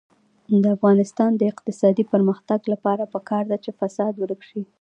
د افغانستان د اقتصادي پرمختګ لپاره پکار ده چې فساد ورک شي.